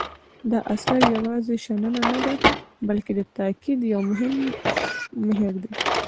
دا اثر یوازې شننه نه دی بلکې د تاکید یو مهم مهر دی.